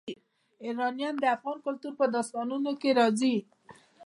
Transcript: یورانیم د افغان کلتور په داستانونو کې راځي.